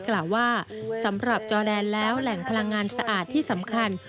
กล่าวว่าสำหรับจอแดนแล้วแหล่งพลังงานสะอาดที่สำคัญ